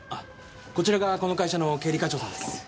こちらがこの会社の経理課長さんです。